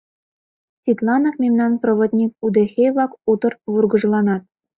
Тидланак мемнан проводник-удэхей-влак утыр вургыжланат.